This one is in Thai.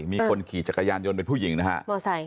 มีคนขี่จักรยานยนต์เป็นผู้หญิงนะฮะ